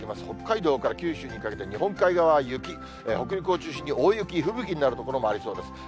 北海道から九州にかけて日本海側は雪、北陸を中心に大雪、吹雪になる所もありそうです。